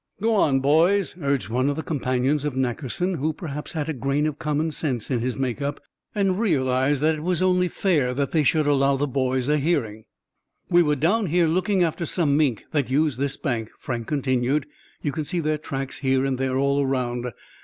"Go on, boys," urged one of the companions of Nackerson, who perhaps had a grain of common sense in his make up, and realized that it was only fair they should allow the boys a hearing. "We were down here looking after some mink that use this bank," Frank continued. "You can see their tracks here and there all around.